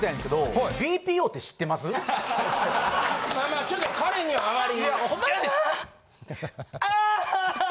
まあまあちょっと彼にはあまり。